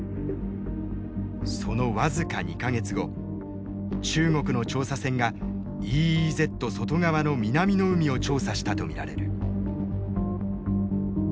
その僅か２か月後中国の調査船がＥＥＺ外側の南の海を調査したと見られる。